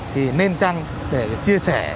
thì nên chăng để chia sẻ